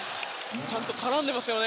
ちゃんと絡んでいますね